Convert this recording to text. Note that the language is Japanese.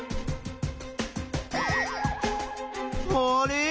あれ？